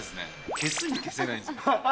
消すに消せないんですよ。